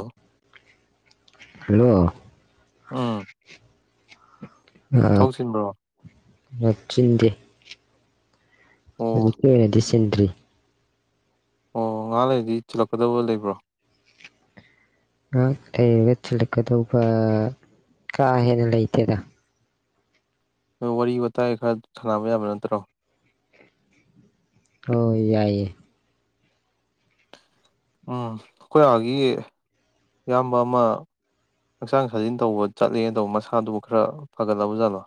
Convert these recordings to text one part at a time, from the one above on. ꯑ ꯍꯂꯣ ꯎꯝ ꯊꯕꯛ ꯉꯍꯥꯛ ꯆꯤꯟꯕ꯭ꯔꯣ ꯉꯥꯛ ꯆꯤꯟꯗꯦ ꯑꯣ ꯍꯧꯖꯤꯛꯀꯤꯑꯣꯏꯅꯗꯤ ꯆ ꯆꯤꯟꯗ꯭ꯔꯤ ꯑꯣ ꯉꯍꯥꯛ ꯂꯩꯔꯗꯤ ꯆꯤꯜꯂꯛꯀꯗꯕ ꯂꯩꯕ꯭ꯔꯣ ꯑꯪ ꯑꯩꯌꯦꯅ ꯊꯤꯜꯂꯛꯀꯗꯧꯕ ꯀꯥ ꯍꯦꯟꯅ ꯂꯩꯇꯦꯗ ꯋꯥꯔꯤ ꯋꯥꯇꯥꯏ ꯈꯔ ꯁꯥꯟꯅꯕ ꯌꯥꯕ ꯅꯠꯇ꯭ꯔꯣ ꯍꯣ ꯍꯣꯏ ꯌꯥꯏꯌꯦ ꯎꯝ ꯑꯩꯈꯣꯏ ꯑꯥꯒꯤ ꯏꯌꯥꯝꯕ ꯑꯃ ꯍꯛꯆꯥꯡ ꯁꯥꯖꯤꯟ ꯇꯧꯕ ꯆꯠꯂꯤꯅ ꯇꯧꯕ ꯃꯁꯥꯗꯨꯕꯨ ꯈꯔ ꯐꯒꯠꯂꯕ ꯖꯥꯠꯂꯣ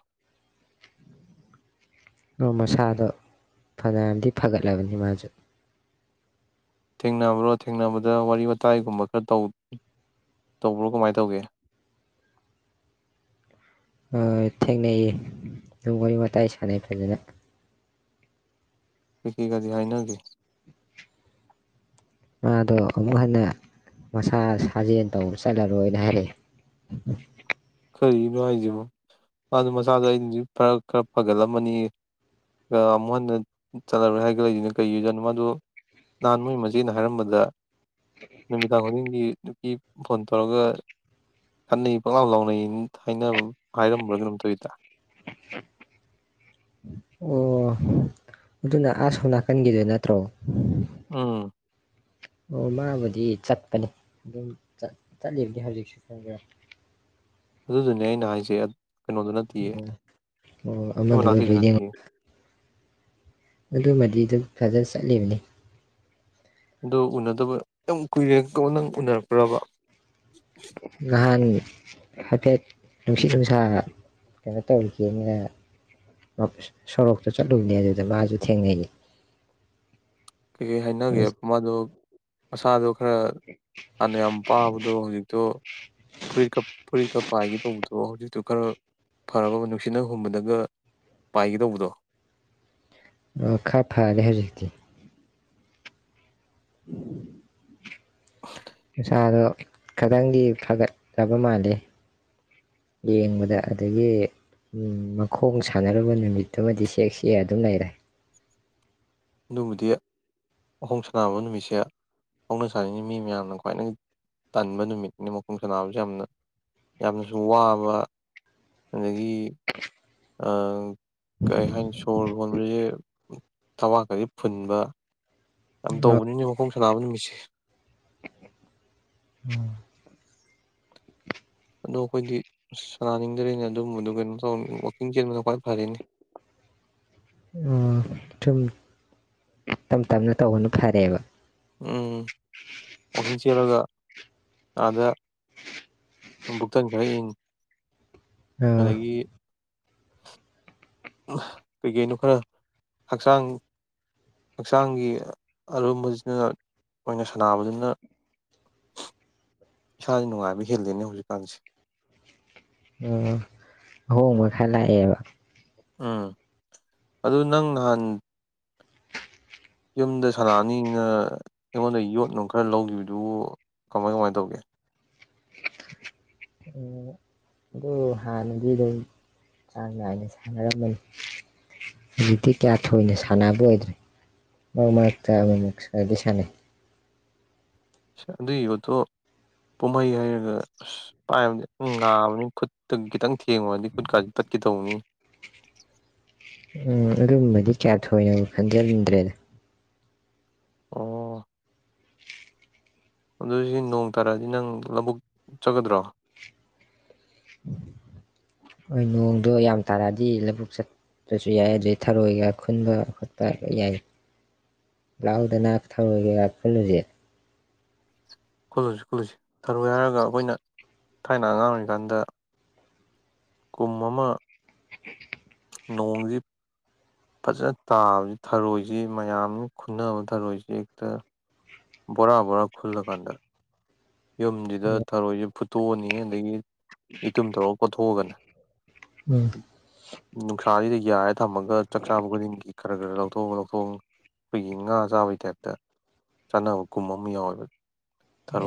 ꯑꯣ ꯃꯁꯥꯗꯣ ꯐꯅꯌꯥꯝꯗꯤ ꯐꯒꯠꯂꯕꯅꯤ ꯃꯥꯁꯨ ꯊꯦꯡꯅꯕ꯭ꯔꯣ ꯊꯦꯡꯅꯕꯗ ꯋꯥꯔꯤ ꯋꯥꯇꯥꯏꯒꯨꯝꯕ ꯈꯔ ꯇꯧ ꯇꯧꯕ꯭ꯔꯣ ꯀꯃꯥꯏ ꯇꯧꯒꯦ ꯍꯣ ꯍꯣꯏ ꯊꯦꯡꯅꯩꯌꯦ ꯑꯗꯨꯝ ꯋꯥꯔꯤ ꯋꯥꯇꯥꯏ ꯁꯥꯟꯅꯩ ꯐꯖꯅ ꯀꯔꯤ ꯀꯔꯤ ꯍꯥꯏꯅꯒꯦ ꯃꯥꯗꯣ ꯑꯃꯨꯛ ꯍꯟꯅ ꯃꯁꯥ ꯁꯥꯖꯦꯜ ꯇꯧꯕ ꯆꯠꯂꯔꯣꯏꯅ ꯍꯥꯏꯔꯛꯑꯦ ꯀꯔꯤꯒꯤꯅꯣ ꯍꯥꯏꯖꯤꯕꯣ ꯃꯥꯗꯣ ꯃꯁꯥꯗꯣ ꯑꯩꯅꯗꯤ ꯐꯔ ꯈꯔ ꯐꯒꯠꯂꯝꯃꯅꯤ ꯑꯑ ꯑꯃꯨꯛ ꯍꯟꯅ ꯆꯠꯂꯔꯣꯏ ꯍꯥꯏꯒꯠꯂꯛꯏꯁꯤꯅ ꯀꯩꯒꯤ ꯑꯣꯏꯖꯥꯠꯅꯣ ꯃꯥꯗꯣ ꯅꯍꯥꯟ ꯃꯣꯏꯒꯤ ꯃꯆꯦꯅ ꯍꯥꯏꯔꯝꯕꯗ ꯅꯨꯃꯤꯗꯥꯡ ꯈꯨꯗꯤꯡꯒꯤ ꯅꯨ ꯒꯤ ꯐꯣꯟ ꯇꯧꯔꯒ ꯈꯠꯅꯩ ꯄꯪꯂꯥꯎ ꯂꯥꯎꯅ ꯅꯩ ꯍꯥꯏꯅꯕ ꯍꯥꯏꯔꯝꯕ꯭ꯔ ꯀꯩꯅꯣꯝ ꯇꯧꯏꯗ ꯑꯣ- ꯑꯗꯨꯅ ꯑꯑ ꯁꯣꯝ ꯅꯥꯀꯟꯒꯤꯗꯣ ꯅꯠꯇ꯭ꯔꯣ ꯑꯝ ꯑꯣ ꯃꯥꯕꯨꯗꯤ ꯆꯠꯄꯅꯦ ꯑꯗꯨꯝ ꯆꯠ ꯆꯠꯂꯤꯕꯅꯤ ꯍꯧꯖꯤꯛꯁꯨ ꯈꯪꯕ꯭ꯔꯥ ꯑꯗꯨꯗꯨꯅꯦ ꯑꯩꯅ ꯍꯥꯏꯖꯦ ꯑꯣ ꯑꯣ ꯑꯩꯈꯣꯏ ꯑꯃꯗꯣ ꯑꯣꯏꯕ꯭ꯔꯥ ꯃꯅꯥꯛꯀꯤꯗꯨ ꯅꯠꯇꯤꯌꯦ ꯌꯦꯡꯉꯨ ꯑꯗꯨꯃꯗꯤ ꯑꯗꯨꯝ ꯐꯖ ꯆꯠꯂꯤꯕꯅꯤ ꯑꯗꯣ ꯎꯅꯗꯕ ꯌꯥꯝ ꯀꯨꯏꯔꯦ ꯀꯝꯀꯥꯟ ꯅꯪ ꯎꯅꯔꯛꯄ꯭ꯔꯥꯕ ꯉꯍꯥꯟ ꯍꯥꯏꯐꯦꯠ ꯅꯨꯡꯁꯤꯠ ꯅꯨꯡꯁꯥ ꯀꯩꯅꯣꯇꯧꯒꯦꯅ ꯑ ꯁꯣꯔꯣꯛꯇ ꯆꯠꯂꯨꯕꯅꯦ ꯑꯗꯨꯗ ꯃꯥꯖꯨ ꯊꯦꯡꯅꯩꯌꯦ ꯀꯩ ꯀꯩ ꯍꯥꯏꯅꯒꯦ ꯃꯥꯗꯣ ꯁꯥꯗꯣ ꯈꯔ ꯍꯥꯟꯅ ꯌꯥꯝ ꯄꯥꯕꯗꯣ ꯍꯧꯖꯤꯛꯇꯣ ꯐꯨꯔꯤꯠꯀ ꯐꯨꯔꯤꯠꯀ ꯄꯥꯏꯒꯦ ꯇꯧꯕꯗꯣ ꯍꯧꯖꯤꯛꯇꯨ ꯈꯔ ꯐꯔꯕ ꯅꯨꯡꯁꯤꯠꯅ ꯍꯨꯝꯕꯗꯒ ꯄꯥꯏꯒꯦꯗꯧꯕꯗꯣ ꯑꯣ ꯈꯔ ꯐꯔꯦ ꯍꯧꯖꯤꯛꯇꯤ ꯎꯝ ꯎꯁꯥꯗꯣ ꯈꯤꯇꯪꯗꯤ ꯐꯒꯠꯂꯕ ꯃꯥꯜꯂꯤ ꯌꯦꯡꯕꯗ ꯑꯗꯒꯤ ꯃꯈꯣꯡ ꯁꯥꯟꯅꯔꯨꯕ ꯅꯨꯃꯤꯠꯇꯨꯃꯗꯤ ꯁꯦꯛ ꯁꯦ ꯑꯗꯨꯝ ꯂꯩꯔꯦ ꯑꯗꯨꯕꯨꯗꯤ ꯃꯈꯣꯡ ꯁꯅꯕ ꯅꯨꯃꯤꯠꯁꯦ ꯍꯧꯅ ꯁꯥꯟꯅꯤꯡꯉꯤ ꯃꯤ ꯃꯌꯥꯝꯅ ꯈ꯭ꯋꯥꯏꯗꯒꯤ ꯇꯟꯕ ꯅꯨꯃꯤꯠꯅꯤ ꯃꯈꯣꯡ ꯁꯥꯟꯅꯕꯁꯦ ꯌꯥꯝꯅ ꯌꯥꯝꯅꯁꯨ ꯋꯥꯕ ꯑꯗꯒꯤ ꯑꯥ ꯀꯩ ꯍꯥꯏꯅꯤ ꯁꯣꯔ ꯍꯣꯟꯕꯁꯦ ꯊꯥꯕꯥꯛ ꯀꯁꯦ ꯐꯨꯟꯕ ꯌꯥꯝ ꯇꯧꯕꯅꯤꯅꯦ ꯃꯈꯣꯡ ꯁꯅꯥꯕꯅꯤꯃꯤꯁꯦ ꯎꯝ ꯑꯗꯣ ꯑꯩꯈꯣꯏꯗꯤ ꯁꯅꯥꯅꯤꯡꯗꯔ꯭ꯦꯅꯦ ꯑꯗꯨꯝꯕꯗꯨ ꯀꯩꯅꯣ ꯇꯧ ꯋꯥꯋꯀꯤꯡ ꯆꯦꯟꯕꯅ ꯈ꯭ꯋꯥꯏ ꯐꯔꯦꯅꯦ ꯑ ꯁꯨꯝ ꯇꯞ ꯇꯞꯅ ꯇꯧꯕꯅ ꯐꯔꯦꯕ ꯎꯝ ꯋꯥꯛꯀꯤꯡ ꯆꯦꯜꯂꯒ ꯑꯥꯗ ꯕꯨꯛꯇꯟ ꯈꯔ ꯏꯪꯅ ꯑꯗꯒꯤ ꯀꯩꯀꯩꯅꯣ ꯈꯔ ꯍꯛꯆꯥꯡ ꯍꯛꯆꯥꯡꯒꯤ ꯑꯔꯨꯝꯕꯁꯤꯅ ꯑꯣꯏꯅ ꯁꯥꯟꯅꯕꯁꯤꯅ ꯏꯁꯥꯁꯦ ꯅꯨꯡꯉꯥꯏꯕ ꯍꯦꯜꯂꯤꯅꯦ ꯍꯧꯖꯤꯛꯀꯥꯟꯁꯦ ꯑꯣ ꯑꯍꯣꯡꯕ ꯈꯔꯥ ꯂꯥꯛꯑꯦꯕ ꯎꯝ ꯑꯗꯨ ꯅꯪ ꯅꯍꯥꯟ ꯌꯨꯝꯗ ꯁꯅꯥꯑꯅꯤꯅ ꯑꯩꯉꯣꯟꯗ ꯌꯣꯠꯅꯨꯡ ꯈꯔ ꯂꯧꯈꯤꯕꯗꯨꯕꯨ ꯀꯃꯥꯏ ꯀꯃꯥꯏꯅ ꯇꯧꯒꯦ ꯑꯗꯨ ꯑꯗꯨꯝ ꯆꯥꯡ ꯅꯥꯏꯅ ꯁꯥꯟꯅꯔꯝꯃꯅꯤ ꯍꯧꯖꯤꯛꯇꯤ ꯀꯌꯥ ꯊꯣꯏꯅ ꯁꯥꯟꯅꯕ ꯑꯣꯏꯗ꯭ꯔꯦ ꯃꯔꯛ ꯃꯔꯛꯇ ꯑꯃꯃꯨꯛ ꯈꯔꯗꯤ ꯁꯥꯟꯅꯩ ꯑꯗꯨꯒꯤ ꯌꯣꯠꯇꯣ ꯄꯨꯝꯍꯩ ꯍꯥꯏꯩꯔꯒ ꯑꯁ ꯄꯥꯏꯕꯗꯤ ꯅꯥꯕꯅꯤ ꯈꯨꯠꯇ ꯈꯤꯇꯪ ꯊꯦꯡꯉꯨꯔꯗꯤ ꯈꯨꯠꯀꯥꯁꯤ ꯇꯠꯀꯦ ꯇꯧꯕꯅꯤ ꯎꯝ ꯑꯔꯨꯝꯕꯗꯤ ꯀꯌꯥ ꯊꯣꯏꯅꯥꯕꯨ ꯈꯟꯖꯅꯂꯨꯗ꯭ꯔꯦꯗ ꯑꯣ ꯑꯗꯨꯏ ꯁꯤ ꯅꯣꯡ ꯇꯥꯔꯛꯑꯗꯤ ꯅꯪ ꯂꯧꯕꯨꯛ ꯆꯠꯒꯗ꯭ꯔꯣ ꯍꯣꯏ ꯅꯣꯡꯗꯣ ꯌꯥꯝ ꯇꯥꯔꯛꯑꯗꯤ ꯂꯕꯨꯨꯛ ꯆꯠꯄꯁꯨ ꯌꯥꯏ ꯑꯗꯨꯩ ꯊꯔꯣꯏꯒ ꯈꯨꯟꯕ ꯈꯣꯠꯄ ꯌꯥꯏ ꯂꯥꯛꯥꯎꯗꯅ ꯊꯔꯣꯏꯒ ꯈꯨꯜꯂꯨꯁꯤ ꯀꯨꯜꯂꯨꯁꯤ ꯀꯜꯂꯨꯁꯤ ꯊꯔꯨ ꯍꯥꯏꯔꯒ ꯑꯩꯈꯣꯏꯅ ꯊꯥꯏꯅ ꯑꯉꯥꯡ ꯑꯣꯏꯔꯤꯀꯥꯟꯗ ꯀꯨꯝ ꯑꯃꯥ ꯅꯣꯡꯁꯤ ꯐꯖꯅ ꯇꯥꯕꯅꯤ ꯊꯔꯣꯏꯁꯤ ꯃꯌꯥꯝꯅ ꯈꯨꯟꯅꯕ ꯊꯔꯣꯏꯁꯤ ꯍꯦꯛꯇ ꯚꯣꯔꯥ ꯚꯣꯔꯥ ꯈꯨꯜꯂ ꯀꯥꯟꯗ ꯌꯨꯝꯁꯤꯗ ꯊꯔꯣꯏꯁꯤ ꯐꯨꯠꯇꯣꯛꯑꯅꯤ ꯑꯗꯒꯤ ꯌꯦꯇꯨꯝ ꯇꯧꯔꯒ ꯀꯣꯊꯣꯛꯑꯒꯅꯦ ꯎꯝ ꯅꯨꯡꯁꯥꯁꯤꯗ ꯌꯥꯏꯔ ꯊꯝꯃꯒ ꯆꯥꯛ ꯆꯥꯕ ꯈꯨꯗꯤꯡꯒꯤ ꯈꯔ ꯈꯔ ꯂꯧꯊꯣꯛ ꯂꯧꯊꯣꯡ ꯑꯩꯈꯣꯏꯒꯤ ꯉꯥ ꯆꯥꯕꯩ ꯇꯥꯏꯞꯇ ꯆꯥꯅꯕ ꯀꯨꯝ ꯑꯃ ꯌꯥꯎꯋꯦꯕ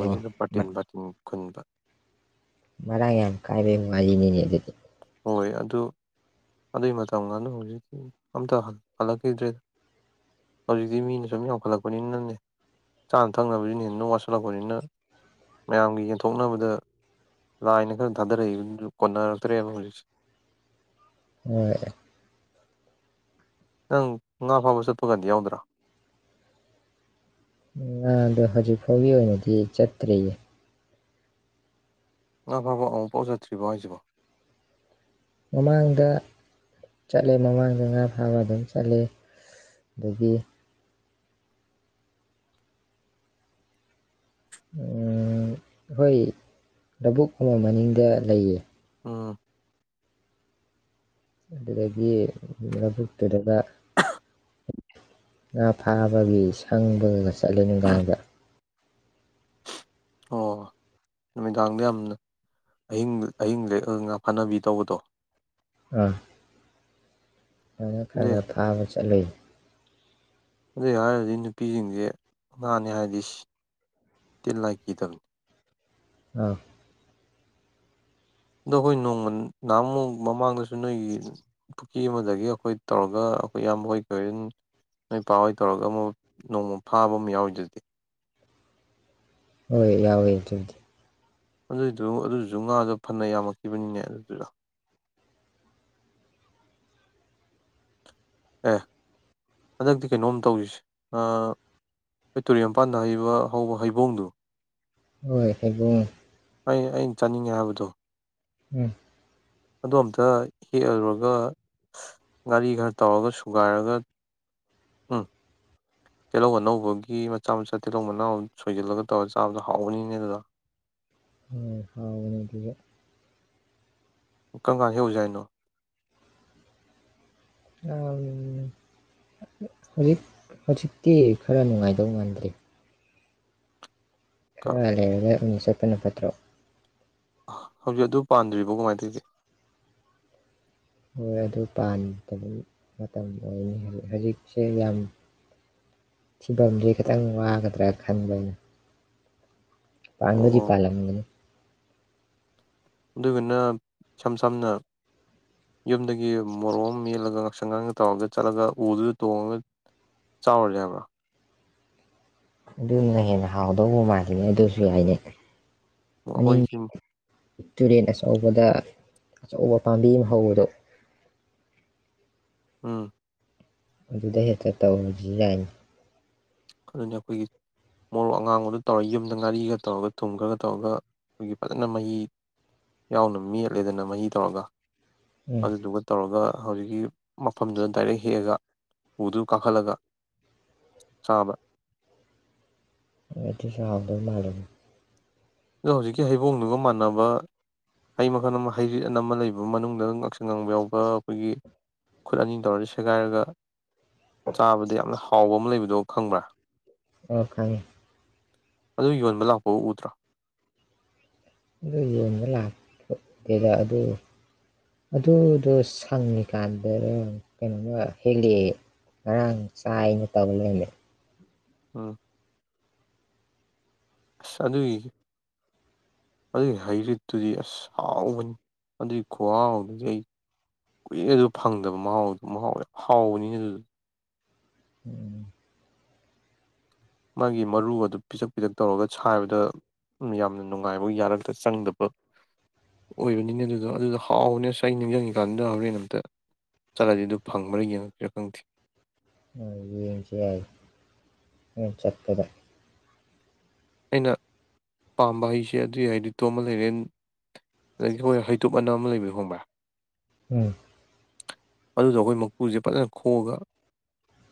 ꯑꯣ ꯕꯥꯇꯤꯟ ꯕꯥꯇꯤꯟ ꯈꯨꯨꯟꯕ ꯃꯔꯥꯡ ꯌꯥꯝ ꯀꯥꯏꯕꯩ ꯋꯥꯔꯤꯅꯤꯅꯦ ꯑꯗꯨꯗꯤ ꯍꯣꯏ ꯑꯗꯨ ꯑꯗꯨꯒꯤ ꯃꯇꯝꯒꯗꯣ ꯍꯧꯖꯤꯛꯇꯤ ꯑꯝꯇ ꯍꯜꯂꯛꯈꯤꯗ꯭ꯔꯦꯗ ꯍꯧꯖꯤꯛꯇꯤ ꯃꯤꯅ ꯁꯨꯝ ꯌꯥꯝꯈꯠꯂꯛꯄꯅꯤꯅꯅꯦ ꯆꯥꯅ ꯊꯛꯅꯕꯁꯤꯅ ꯍꯦꯟꯅ ꯁꯨꯝ ꯋꯥꯠꯁꯤꯜꯂꯛꯄꯅꯤꯅ ꯃꯌꯥꯝꯒꯤ ꯌꯦꯟꯊꯣꯛꯅꯕꯗ ꯂꯥꯏꯅ ꯈꯔ ꯊꯥꯗꯔꯛꯏꯕꯗꯨꯁꯨ ꯀꯣꯟꯅꯔꯛꯇ꯭ꯔꯦꯕ ꯍꯧꯖꯤꯛꯁꯦ ꯍꯣꯏ ꯅꯪ ꯉꯥ ꯐꯥꯕ ꯆꯠꯄꯀꯥꯟꯗꯤ ꯌꯥꯎꯗ꯭ꯔꯥ ꯉꯥꯗꯣ ꯍꯧꯖꯤꯛ ꯐꯥꯎꯒꯤ ꯑꯣꯏꯅꯗꯤ ꯆꯠꯇ꯭ꯔꯤꯌꯦ ꯉꯥ ꯐꯥꯕ ꯑꯃꯨꯛꯐꯥꯎ ꯆꯠꯇ꯭ꯔꯤꯕꯣ ꯍꯥꯏꯁꯤꯕꯣ ꯃꯃꯥꯡꯗ ꯆꯠꯂꯦ ꯃꯃꯥꯡꯗ ꯉꯥ ꯐꯥꯕ ꯑꯗꯨꯝ ꯆꯠꯂꯦ ꯑꯗꯒꯤ ꯑꯩꯈꯣꯏ ꯂꯧꯕꯨꯛ ꯑꯃ ꯃꯅꯤꯡꯗ ꯂꯩꯌꯦ ꯎꯝ ꯑꯗꯨꯗꯒꯤ ꯂꯕꯨꯨꯛꯇꯨꯗꯒ ꯉꯥ ꯐꯥꯕꯒꯤ ꯁꯪꯕꯒ ꯆꯠꯂꯦ ꯅꯨꯡꯗꯥꯡꯗ ꯑꯣ ꯅꯨꯃꯤꯗꯥꯡꯗ ꯌꯥꯝ ꯑꯍꯤꯡ ꯑꯍꯤꯡ ꯂꯦꯛ ꯉꯥ ꯐꯥꯅꯕꯤ ꯇꯧꯕꯗꯣ ꯑꯥ ꯑꯗꯨ ꯑꯗꯨꯏ ꯈꯔ ꯈꯔ ꯐꯥꯕ ꯆꯠꯂꯤ ꯑꯗꯨꯏ ꯍꯥꯏꯔꯗꯤ ꯅꯨꯄꯤꯁꯤꯡꯁꯦ ꯉꯥꯅꯤ ꯍꯥꯏꯔꯗꯤ ꯇꯤꯟ ꯂꯥꯏ ꯀꯤꯗꯕꯅꯤ ꯑꯥ ꯑꯗꯣ ꯑꯩꯈꯣꯏ ꯅꯣꯡꯃ ꯅꯍꯥꯟꯃꯨꯛ ꯃꯃꯥꯡꯗꯁꯨ ꯅꯣꯏꯒꯤ ꯄꯨꯈꯔ꯭ꯤ ꯑꯃꯗꯒꯤ ꯑꯩꯈꯣꯏ ꯇꯧꯔꯒ ꯑꯩꯈꯣꯏ ꯏꯌꯥꯝꯕ ꯍꯣꯏ ꯀꯩ ꯍꯣꯏ ꯅꯣꯏ ꯄꯥ ꯍꯣꯏ ꯇꯧꯔꯒ ꯑꯃꯨꯛ ꯅꯣꯡꯃ ꯐꯥꯕ ꯑꯃ ꯌꯥꯎꯔꯤꯗꯨꯗꯤ ꯍꯣꯏ ꯌꯥꯎꯋꯦ ꯑꯗꯨꯗꯤ ꯑꯗꯨꯏꯗꯨ ꯑꯗꯨꯁꯨ ꯉꯥꯗꯣ ꯐꯅ ꯌꯥꯝꯃꯛꯈꯤꯕꯅꯤꯅꯦ ꯑꯗꯨꯏꯗꯨꯗ ꯑꯦ ꯍꯟꯗꯛꯇꯤ ꯀꯩꯅꯣꯝ ꯇꯧꯁꯤꯁꯦ ꯉꯥ ꯑꯩꯈꯣꯏ ꯇꯨꯔꯦꯜ ꯃꯄꯥꯟꯗ ꯍꯩꯕ ꯍꯧꯕ ꯍꯩꯕꯣꯡꯗꯣ ꯍꯣꯏ ꯍꯩꯕꯣꯡ ꯑꯩ ꯑꯩꯅ ꯆꯥꯅꯤꯡꯉꯦ ꯍꯥꯏꯕꯗꯣ ꯎꯝ ꯑꯗꯣ ꯑꯝꯇ ꯍꯦꯛꯑ ꯔꯨꯔꯒ ꯉꯥꯔꯤ ꯈꯔ ꯇꯧꯔꯒ ꯁꯨꯒꯥꯏꯔꯒ ꯎꯝ ꯇꯤꯜꯍꯧ ꯑꯅꯧꯕꯒꯤ ꯃꯆꯥ ꯃꯆꯥ ꯇꯤꯜꯍꯧ ꯃꯅꯥꯎ ꯁꯣꯏꯖꯤꯜꯂꯒ ꯇꯧꯔꯒ ꯆꯥꯕꯗꯣ ꯍꯥꯎꯕꯅꯤꯅꯦ ꯑꯗꯨꯗꯣ ꯎꯝ ꯍꯥꯎꯕꯅꯤ ꯑꯗꯨꯁꯨ ꯀꯔꯝ ꯀꯥꯟ ꯍꯦꯛꯎꯁ ꯍꯥꯏꯅꯣ ꯍꯧꯖꯤꯛ ꯍꯧꯖꯤꯛꯇꯤ ꯈꯔ ꯅꯨꯡꯉꯥꯏꯗꯧ ꯃꯥꯟꯗ꯭ꯔꯤ ꯈꯔ ꯂꯩꯔꯒ ꯑꯣꯏꯅ ꯆꯠꯄꯅ ꯐꯠꯇ꯭ꯔꯣ ꯍꯧꯖꯤꯛ ꯑꯗꯨ ꯄꯥꯟꯗ꯭ꯔꯤꯕꯣ ꯀꯃꯥꯏꯅ ꯇꯧꯒꯦ ꯍꯣꯏ ꯑꯗꯨ ꯄꯥꯟꯗꯕ ꯃꯇꯝ ꯑꯣꯏꯅꯤ ꯍꯧꯖꯤꯛ ꯍꯧꯖꯤꯛꯁꯦ ꯌꯥꯝ ꯊꯤꯕꯝꯁꯦ ꯈꯤꯇꯪ ꯋꯥꯒꯗ꯭ꯔꯥ ꯈꯟꯕ ꯑꯩꯅ ꯄꯥꯡꯕꯨꯗꯤ ꯑꯣ ꯄꯥꯂꯝꯒꯅꯤ ꯑꯗꫭꯏꯒꯅ ꯏꯁꯝ ꯁꯝꯅ ꯌꯨꯝꯗꯒꯤ ꯃꯣꯔꯣꯛ ꯑꯃ ꯃꯦꯠꯂꯒ ꯉꯥꯡꯁꯪ ꯉꯥꯡꯅ ꯇꯧꯔꯒ ꯆꯠꯂꯒ ꯎꯗꯨꯗ ꯇꯣꯡꯉꯒ ꯆꯥꯎꯔꯁꯦ ꯍꯥꯏꯕ꯭ꯔꫭ ꯑꯗꯨꯅ ꯍꯦꯟꯅ ꯍꯥꯎꯗꯧꯕ ꯃꯥꯜꯂꯤꯅꯦ ꯑꯗꯨꯁꯨ ꯌꯥꯏꯅꯦ [inaudible] ꯇꯨꯔꯦꯟ ꯑꯆꯧꯕꯗ ꯑꯆꯧꯕ ꯄꯥꯝꯕꯤ ꯑꯃ ꯍꯧꯕꯗꯣ ꯑꯝ ꯑꯗꯨꯗꯩ ꯍꯦꯛꯇ ꯇꯧꯔꯁꯨ ꯌꯥꯏꯅꯦ ꯑꯗꯨꯅꯤ ꯑꯩꯈꯣꯏꯒꯤ ꯃꯣꯔꯣꯛ ꯑꯉꯥꯡꯕꯗꯨ ꯇꯧꯔ ꯌꯨꯝꯗ ꯉꯥꯔꯤꯒ ꯇꯧꯔꯒ ꯊꯨꯝ ꯈꯔꯒ ꯇꯧꯔꯒ ꯑꯩꯈꯣꯏꯒꯤ ꯐꯖꯅ ꯃꯍꯤ ꯌꯥꯎꯅ ꯃꯦꯠꯂꯦꯗꯅ ꯃꯍꯤ ꯇꯧꯔꯒ ꯎꯝ ꯑꯗꯨꯗꯨꯒ ꯇꯧꯔꯒ ꯍꯧꯖꯤꯛꯀꯤ ꯃꯐꯝꯗꯨꯗ ꯗꯥꯏꯔꯦꯛ ꯍꯦꯛꯑꯒ ꯎꯗꯨ ꯀꯥꯈꯠꯂꯒ ꯆꯥꯕ ꯑꯗꯨꯁꯨ ꯍꯥꯎꯗꯧ ꯃꯥꯜꯂꯤ ꯑꯗꯣ ꯍꯧꯖꯤꯛꯀꯤ ꯍꯩꯕꯣꯡꯗꯨꯒ ꯃꯥꯟꯅꯕ ꯍꯩ ꯃꯈꯜ ꯑꯃ ꯍꯩꯔꯤꯠ ꯑꯅ ꯑꯃ ꯂꯩꯕ ꯃꯅꯨꯡꯗ ꯉꯥꯡꯁꯪ ꯉꯥꯡꯕ ꯌꯥꯎꯕ ꯑꯩꯈꯣꯏꯒꯤ ꯈꯨꯠ ꯑꯅꯤ ꯇꯧꯔꯒ ꯁꯦꯒꯥꯏꯔꯒ ꯆꯥꯕꯗ ꯌꯥꯝꯅ ꯍꯥꯎꯕ ꯂꯩꯕꯗꯣ ꯈꯪꯕ꯭ꯔꯥ ꯑꯣ ꯈꯪꯉꯦ ꯑꯗꯨ ꯌꯣꯟꯕ ꯂꯥꯛꯄ ꯎꯗ꯭ꯔꯣ ꯑꯗꯨ ꯌꯣꯟꯕ ꯂꯥꯛꯄ ꯎꯗꯦꯗ ꯑꯗꯨ ꯑꯗꯨꯗꯣ ꯁꯪꯉꯤꯀꯥꯟꯗꯔ ꯀꯩꯅꯣꯃ ꯍꯦꯛꯂꯛꯑꯦ ꯉꯔꯥꯡ ꯆꯥꯏꯅ ꯇꯧ ꯂꯩꯔꯃꯦ ꯎꯝ ꯑꯁ ꯑꯗꯨꯒꯤ ꯑꯗꯨꯒꯤ ꯍꯩꯔꯤꯠꯇꯨꯗꯤ ꯑꯁ ꯍꯥꯎꯕꯅꯤ ꯑꯗꯨꯒꯤ ꯈꯨꯍꯥꯎꯗꯨꯗꯤ ꯑꯩ ꯀꯨꯏꯔꯦ ꯑꯗꯨ ꯐꯪꯗꯕ ꯃꯍꯥꯎꯗꯣ ꯃꯍꯥꯎ ꯌꯥꯝ ꯍꯥꯎꯕꯅꯤ ꯑꯗꯨꯗꯣ ꯎꯝ ꯃꯥꯒꯤ ꯃꯔꯨꯒꯗꯨ ꯄꯤꯛꯁꯛ ꯄꯤꯛꯁꯛ ꯇꯧꯔꯒ ꯁꯥꯏꯕꯗ ꯌꯥꯝꯅ ꯅꯨꯡꯉꯥꯏꯕ ꯌꯥꯔꯛꯇ ꯆꯪꯗꯕ ꯑꯣꯏꯕꯅꯤꯅꯦ ꯑꯗꯨꯗꯣ ꯑꯗꯨꯗꯣ ꯍꯥꯎꯕꯅꯦ ꯑꯁ ꯑꯩ ꯅꯤꯡꯁꯤꯡꯉꯤ ꯀꯥꯟꯗ ꯍꯣꯔꯦꯟ ꯑꯝꯇ ꯆꯠꯂꯗꯤ ꯑꯗꯨ ꯐꯪꯕ꯭ꯔ ꯌꯦꯡꯉꯛꯁꯤꯔꯥ ꯈꯪꯗꯦ ꯌꯦꯡꯁꯦ ꯌꯥꯏꯌꯦ ꯍꯣꯔꯦꯟ ꯆꯠꯄꯗ ꯑꯩꯅ ꯄꯥꯝꯕ ꯍꯩꯁꯦ ꯑꯗꯨꯒꯤ ꯍꯩꯔꯤꯠꯇꯣ ꯑꯃ ꯂꯩꯔꯦ ꯑꯗꯒꯤ ꯍꯩꯇꯨꯞ ꯑꯅꯥ ꯑꯃ ꯂꯩꯕꯗꯣ ꯈꯪꯕ꯭ꯔꯥ ꯎꯝ ꯑꯗꯨꯗꯣ ꯑꯩꯈꯣꯏ ꯃꯀꯨꯁꯦ ꯐꯖꯅ ꯈꯣꯛꯑꯒ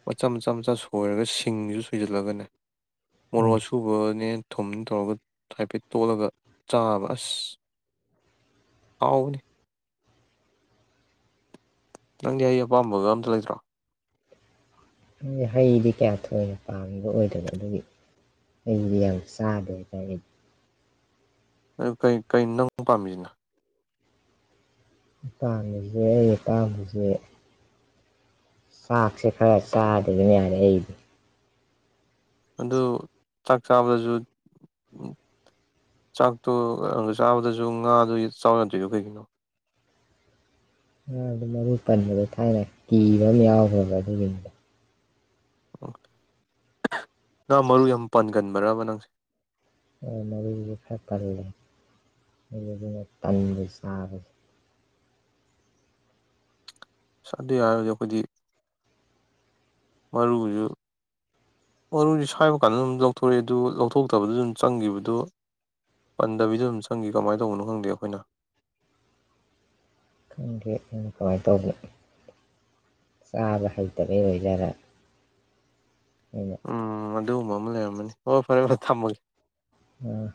ꯃꯆꯥ ꯃꯆꯥ ꯃꯆꯥ ꯁꯣꯏꯔꯒ ꯁꯤꯡꯁꯤꯁꯨ ꯁꯣꯏꯖꯤꯜꯂꯒꯅꯦ ꯃꯣꯔꯣꯛ ꯎꯝ ꯑꯁꯨꯕꯒ ꯅꯦ ꯊꯨꯝꯅꯦ ꯇꯧꯔꯒ ꯍꯥꯏꯐꯦꯠ ꯇꯣꯠꯂꯒ ꯆꯥꯕ ꯑꯁ ꯍꯥꯎꯕꯅꯤ ꯅꯪꯗꯤ ꯍꯩ ꯑꯄꯥꯝꯕꯒ ꯑꯝꯇ ꯂꯩꯇ꯭ꯔꯣ ꯍꯩꯗꯤ ꯀꯌꯥ ꯊꯣꯏꯅ ꯄꯥꯝꯕ ꯑꯣꯏꯗꯕ ꯑꯗꯨꯒꯤ ꯍꯩꯗꯤ ꯌꯥꯝ ꯆꯥꯗꯦ ꯍꯥꯏꯇꯥꯔꯦ ꯑꯗꯨ ꯀꯩ ꯀꯔꯤꯅꯣ ꯅꯪ ꯄꯥꯝꯃꯤꯁꯤꯅ ꯑꯩꯅ ꯄꯥꯝꯃꯤꯁꯦ ꯑꯩ ꯑꯄꯥꯝꯕꯁꯦ ꯆꯥꯛꯁꯦ ꯈꯔ ꯆꯥ [unintelligible] ꯑꯩꯗꯤ ꯑꯗꯨ ꯆꯥꯛ ꯆꯥꯕꯗꯁꯨ ꯆꯥꯛꯇꯣ ꯆꯥꯕꯗꯁꯨ ꯉꯥꯗꯨ ꯆꯥꯎ ꯌꯥꯗꯔ꯭ꯤꯗꯣ ꯀꯩꯒꯤꯅꯣ ꯉꯥꯗꯣ ꯃꯔꯨ ꯄꯟꯕꯗꯣ ꯊꯥꯏꯅ ꯀꯤꯕ ꯑꯃ ꯌꯥꯎꯈ꯭ꯔꯕ ꯑꯗꯨꯒꯤꯅꯤꯗ ꯑꯣ ꯉꯥ ꯃꯔꯨ ꯌꯥꯝ ꯄꯟꯒꯟꯕꯔꯕ ꯅꯪꯁꯦ ꯉꯥ ꯃꯔꯨꯁꯦ ꯈꯔ ꯄꯜꯂꯦ ꯃꯗꯨꯅ ꯇꯟꯕ ꯆꯥꯕꯁꯦ ꯑꯁ ꯑꯗꯨ ꯌꯔꯔꯣꯢꯗ ꯈꯣꯏꯗꯤ ꯃꯔꯨꯁꯨ ꯃꯔꯨꯁꯨ ꯁꯥꯏꯕ ꯀꯥꯟꯗ ꯑꯗꯨꯝ ꯂꯧꯊꯣꯔꯛꯑꯦ ꯑꯗꯨ ꯂꯧꯊꯣꯛꯇꯕꯗꯨ ꯑꯗꯨꯝ ꯆꯪꯈꯤꯕꯗꯨ ꯄꯟꯗꯕꯤꯗ ꯑꯗꯨꯝ ꯆꯪꯈꯤ ꯀꯃꯥꯏꯅ ꯇꯧꯕꯅꯣ ꯈꯪꯗꯦ ꯑꯩꯈꯣꯏꯅ ꯈꯪꯗꯦ ꯑꯩꯅ ꯀꯃꯥꯏꯅ ꯇꯧꯕꯅꯣ ꯆꯥꯕ ꯍꯩꯇꯕꯩ ꯑꯣꯏ ꯖꯥꯠꯂ ꯎꯝ [inaudible] ꯑꯗꯨꯒꯨꯝꯕ ꯑꯃ ꯂꯩꯔꯝꯃꯅꯤ ꯍꯣꯏ ꯐꯔꯦ ꯐꯔꯦ ꯊꯝꯃꯒꯦ ꯎꯝ